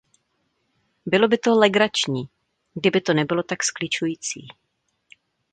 Bylo by to legrační, kdyby to nebylo tak skličující.